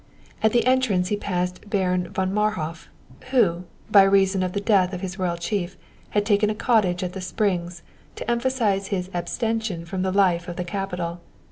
At the entrance he passed Baron von Marhof, who, by reason of the death of his royal chief, had taken a cottage at the Springs to emphasize his abstention from the life of the capital.